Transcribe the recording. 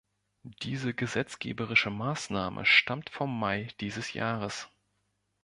Diese gesetzgeberische Maßnahme stammt vom Mai dieses Jahres.